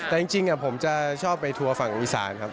แต่จริงผมจะชอบไปทัวร์ฝั่งอีสานครับ